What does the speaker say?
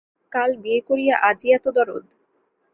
কাল বিয়ে করিয়া আজই এত দরদ!